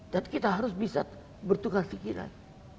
tapi kita harus bisa bertukar pikiran